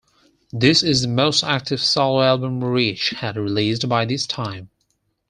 This is the most active solo album Rich had released by this time.